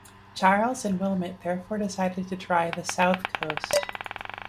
Charles and Wilmot therefore decided to try the south coast.